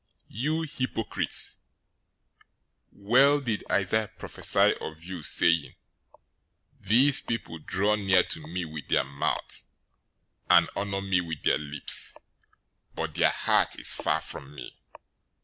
015:007 You hypocrites! Well did Isaiah prophesy of you, saying, 015:008 'These people draw near to me with their mouth, and honor me with their lips; but their heart is far from me.